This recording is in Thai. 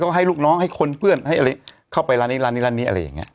ให้ลูกน้องให้คนเพื่อนให้อะไรเข้าไปร้านนี้ร้านนี้ร้านนี้อะไรอย่างนี้